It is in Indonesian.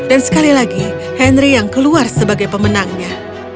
dan sekali lagi henry yang keluar sebagai pemenangnya